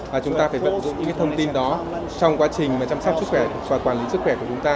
và chúng ta phải vận dụng những thông tin đó trong quá trình chăm sóc sức khỏe và quản lý sức khỏe của chúng ta